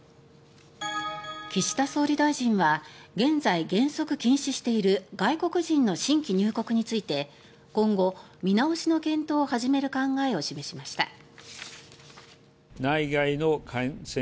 岸田総理大臣は現在、原則禁止している外国人の新規入国について今後、見直しの検討を始める考えを示しました。